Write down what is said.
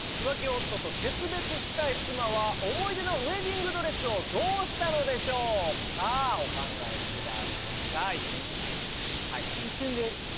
浮気夫と決別したい妻は思い出のウェディングドレスをどうしたのでしょうかお考えくださいえ？